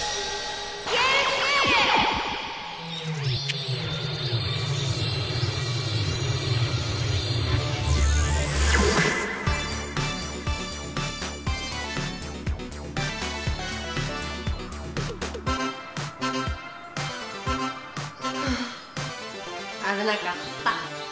フあぶなかった。